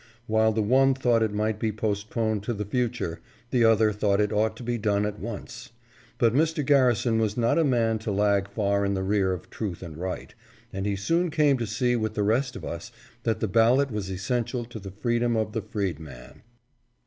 While the one thought it might be postponed to the future, the other thought it ought to be done at once. But Mr. Garrison was not a man to lag far in the rear of truth and right, and he soon came to see with the rest of us that the ballot was essential to the freedom of the freedman.